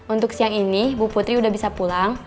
untuk siang ini bu putri sudah bisa pulang